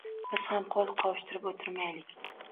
Biz ham qo`l qovushtirib o`tirmaylik